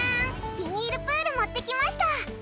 ビニールプール持ってきました！